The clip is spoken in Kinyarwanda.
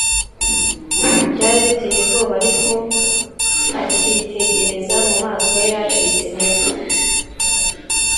byari biteye ubwoba, ariko akitegereza mu maso he hacitse intege